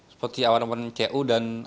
seperti awan awan cu